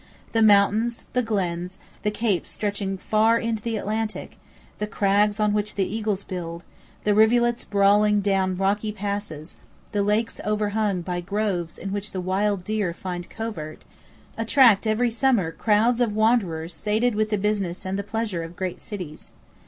The mountains, the glens, the capes stretching far into the Atlantic, the crags on which the eagles build, the rivulets brawling down rocky passes, the lakes overhung by groves in which the wild deer find covert, attract every summer crowds of wanderers sated with the business and the pleasures of great cities.